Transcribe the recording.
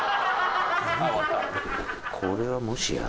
これはもしや？